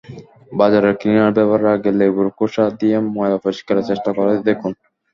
বাজারের ক্লিনার ব্যবহারের আগে লেবুর খোসা দিয়ে ময়লা পরিষ্কারের চেষ্টা করে দেখুন।